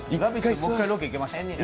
もう一回、ロケに行きました